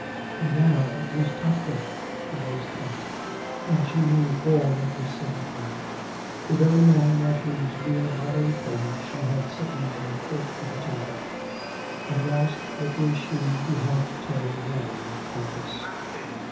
And now it was Topcliffe who was come — (and she knew all that this signified) — the very man at whose mere bodily presence she had sickened in the court of the Tower. And, last, it was she who had to tell Robin of this.